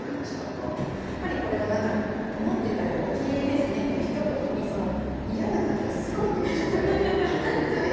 やっぱりこれは何か「思ってたよりお綺麗ですね」っていう一言に嫌な感じがすごい凝縮されてると思うんですよね。